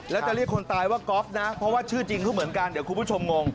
แล้วจะเรียกคนตายว่าก๊อฟนะเพราะว่าชื่อจริงเขาเหมือนกันเดี๋ยวคุณผู้ชมงง